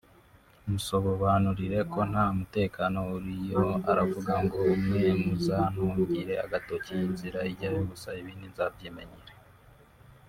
musobobanurira ko nta mutekano uriyo aravuga ngo mwe muzantungire agatoki inzira ijyayo gusa ibindi nzabyimenyera’